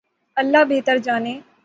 اللہ بہتر جانے۔